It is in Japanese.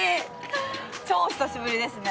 超久しぶりですね。